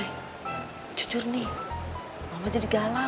panggil kamu ke latin yang bisa terekan kepada aparat lupa